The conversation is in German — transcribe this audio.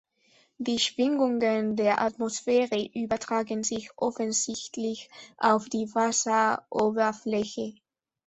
Die Schwingungen der Atmosphäre übertragen sich offensichtlich auf die Wasseroberfläche.